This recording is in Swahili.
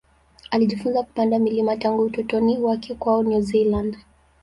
Alijifunza kupanda milima tangu utoto wake kwao New Zealand.